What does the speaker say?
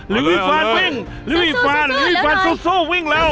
ลี้วีฟานวิ่งลี้วีฟานลี้วีฟานสู้วิ่งแล้ว